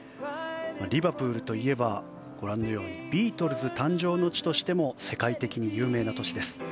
リバプールといえばビートルズ誕生の地としても世界的に有名な都市です。